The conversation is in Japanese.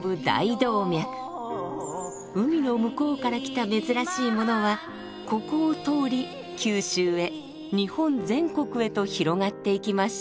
海の向こうから来た珍しいものはここを通り九州へ日本全国へと広がっていきました。